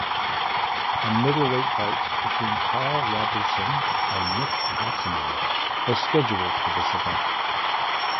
A middleweight bout between Karl Roberson and Nick Maximov was scheduled for this event.